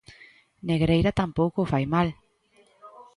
Negreira tampouco o fai mal.